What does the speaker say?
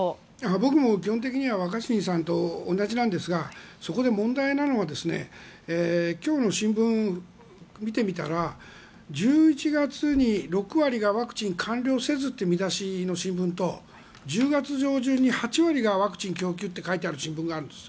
僕も基本的には若新さんと同じなんですがそこで問題なのは今日の新聞を見てみたら１１月に６割がワクチン完了せずっていう見出しの新聞と１０月上旬に８割がワクチン供給と書いてある新聞があるんです。